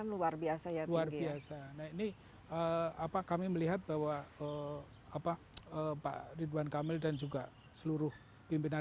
luar biasa ya luar biasa nah ini apa kami melihat bahwa apa pak ridwan kamil dan juga seluruh pimpinan